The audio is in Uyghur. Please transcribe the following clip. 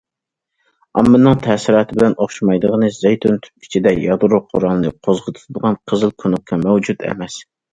ئاممىنىڭ تەسىراتى بىلەن ئوخشىمايدىغىنى،« زەيتۇن توپ» ئىچىدە يادرو قورالىنى قوزغىتىدىغان قىزىل كۇنۇپكا مەۋجۇت ئەمەس.